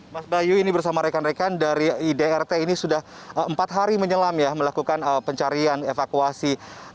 mas bayu ini bersama rekan rekan dari idrt ini sudah empat hari menyelam ya melakukan pencarian evakuasi